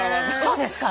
そうですか？